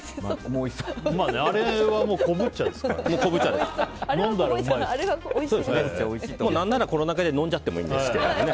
あれは昆布茶ですから何なら、このまま飲んじゃってもいいですけどね。